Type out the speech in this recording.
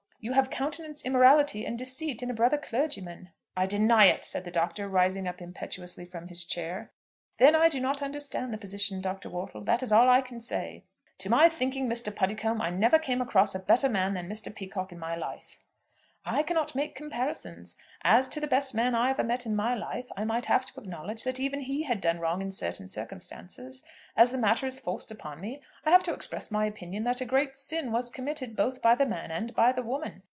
"You have countenanced immorality and deceit in a brother clergyman." "I deny it," said the Doctor, rising up impetuously from his chair. "Then I do not understand the position, Dr. Wortle. That is all I can say." "To my thinking, Mr. Puddicombe, I never came across a better man than Mr. Peacocke in my life." "I cannot make comparisons. As to the best man I ever met in my life I might have to acknowledge that even he had done wrong in certain circumstances. As the matter is forced upon me, I have to express my opinion that a great sin was committed both by the man and by the woman.